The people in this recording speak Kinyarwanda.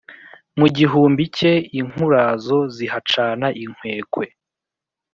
Mu gihumbi cye inkurazo zihacana inkekwe,